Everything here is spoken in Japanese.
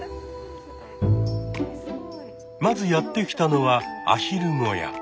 まずやって来たのはアヒル小屋。